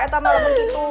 eta malah begitu